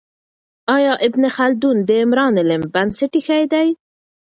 آیا ابن خلدون د عمران علم بنسټ ایښی دی؟